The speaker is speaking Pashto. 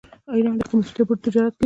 ایران د قیمتي ډبرو تجارت کوي.